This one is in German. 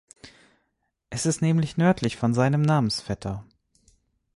Es ist nämlich nördlich von seinem Namensvetter.